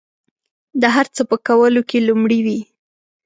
د هر څه په کولو کې لومړي وي.